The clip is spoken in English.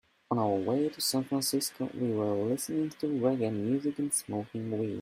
On our way to San Francisco, we were listening to reggae music and smoking weed.